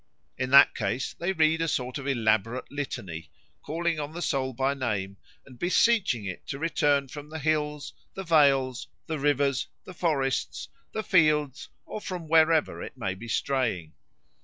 In that case they read a sort of elaborate litany, calling on the soul by name and beseeching it to return from the hills, the vales, the rivers, the forests, the fields, or from wherever it may be straying.